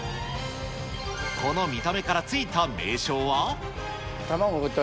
この見た目から付いた名称は。